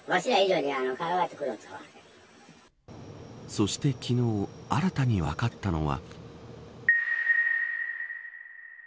そして昨日新たに分かったのは。